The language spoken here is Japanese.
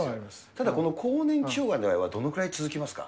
ただこの更年期障害の場合はどのくらい続きますか？